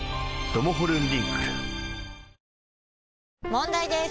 問題です！